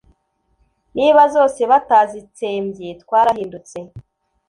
Niba zose batazitsembye Twarahindutse